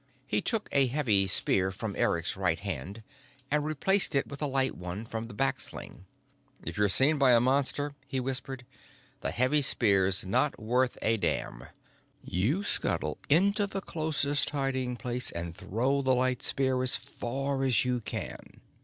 He took a heavy spear from Eric's right hand and replaced it with a light one from the back sling. "If you're seen by a Monster," he whispered, "the heavy spear's not worth a damn. You scuttle into the closest hiding place and throw the light spear as far as you can.